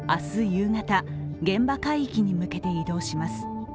夕方現場海域に向けて移動します。